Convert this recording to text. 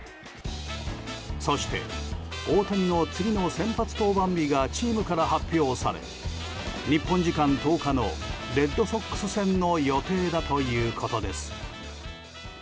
そして、大谷の次の先発登板日がチームから発表され日本時間１０日のレッドソックス戦の予定だということです。